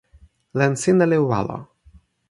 len sina li walo.